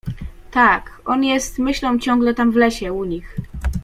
— Tak, on jest myślą ciągle tam w lesie u nich…